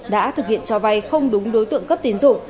đã thực hiện cho vay không đúng đối tượng cấp tiến dụng